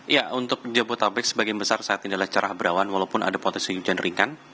ya untuk jabodetabek sebagian besar saat ini adalah cerah berawan walaupun ada potensi hujan ringan